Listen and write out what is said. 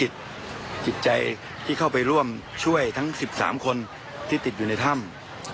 จิตใจที่เข้าไปร่วมช่วยทั้ง๑๓คนที่ติดอยู่ในถ้ำ